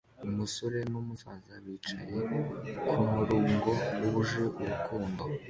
Umusore numusaza bicaye kumurongo wuje urukundo